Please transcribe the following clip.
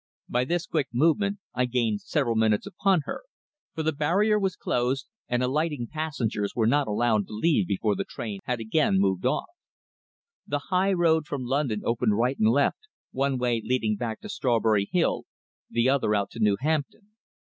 By this quick movement I gained several minutes upon her, for the barrier was closed, and alighting passengers were not allowed to leave before the train had again moved off. The high road from London opened right and left, one way leading back to Strawberry Hill, the other out to New Hampton.